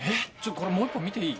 これもう１本見ていい？